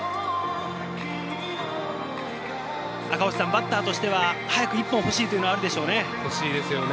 バッターとしては早く一本、欲しいというのはあるでしょうね。